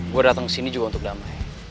gue dateng kesini juga untuk damai